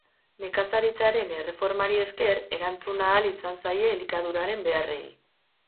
Nekazaritzaren erreformari esker, erantzun ahal izan zaie elikaduraren beharrei.